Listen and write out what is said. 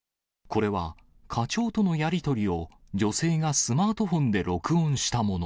これは課長とのやり取りを女性がスマートフォンで録音したもの。